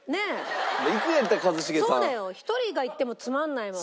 １人が行ってもつまらないもん。